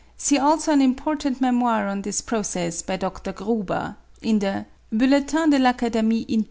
See also an important memoir on this process by Dr. Gruber, in the 'Bulletin de l'Acad. Imp.